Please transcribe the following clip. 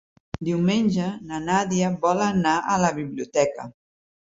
Diumenge na Nàdia vol anar a la biblioteca.